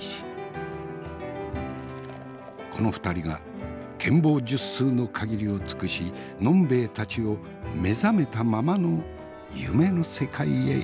この２人が権謀術数の限りを尽くし呑兵衛たちを目覚めたままの夢の世界へいざなってくれる。